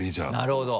なるほど。